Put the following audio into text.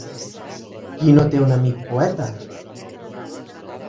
Qui no té un amic poeta?